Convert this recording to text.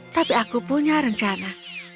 tapi aku punya rencana